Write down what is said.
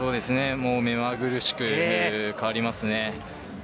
目まぐるしく変わりますね。